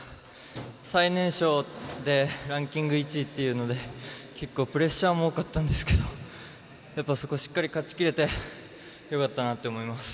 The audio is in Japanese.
最年少でランキング１位っていうので結構プレッシャーも多かったんですけどそこをしっかり勝ちきれてよかったなと思います。